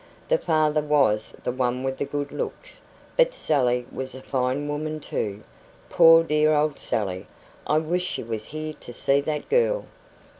The father was the one with the good looks; but Sally was a fine woman too. Poor dear old Sally! I wish she was here to see that girl."